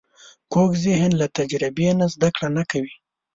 کوږ ذهن له تجربې نه زده کړه نه کوي